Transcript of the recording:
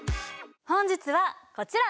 本日はこちら！